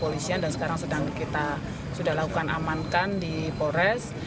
polisian dan sekarang sedang kita sudah lakukan amankan di polres